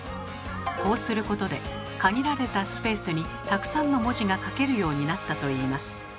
こうすることで限られたスペースにたくさんの文字が書けるようになったといいます。